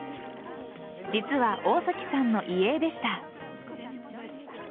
実は大崎さんの遺影でした。